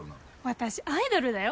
私アイドルだよ？